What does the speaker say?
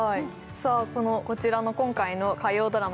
さあこちらの今回の火曜ドラマ